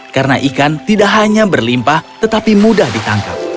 karena ikan tidak hanya berlimpah tetapi mudah ditangkap